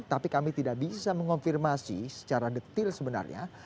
tapi kami tidak bisa mengonfirmasi secara detil sebenarnya